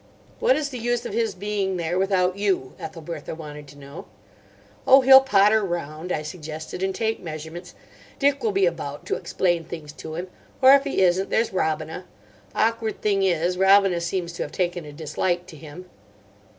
"What is the use of his being there without you?" Ethelbertha wanted to know. "Oh, he'll potter round," I suggested, "and take measurements. Dick will be about to explain things to him. Or, if he isn't, there's Robina—awkward thing is, Robina seems to have taken a dislike to him."